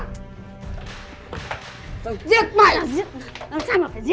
tao giết mày